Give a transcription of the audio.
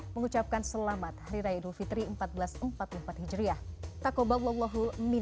mengucapkan selamat hari raya idul fitri seribu empat ratus empat puluh empat hijriah